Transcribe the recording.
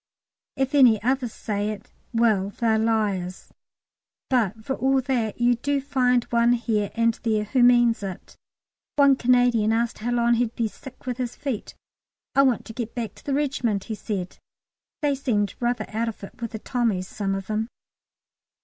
If any others say it, "well, they're liars." But for all that, you do find one here and there who means it. One Canadian asked how long he'd be sick with his feet. "I want to get back to the regiment," he said. They seem rather out of it with the Tommies, some of them.